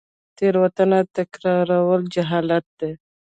تیروتنه تکرارول جهالت دی